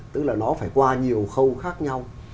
tức là nó phải qua nhiều khâu khác nhau